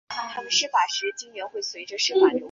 据说它发源自土耳其的卡赫拉曼马拉什。